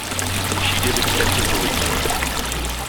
She did extensive relief work.